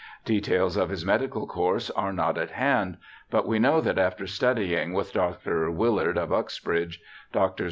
Details of his medical course are not at hand, but we know that after studying with Dr. Willard, of Uxbridge, Drs.